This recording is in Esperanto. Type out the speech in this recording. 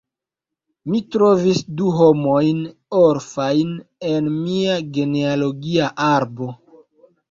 Mi trovis du homojn orfajn en mia genealogia arbo.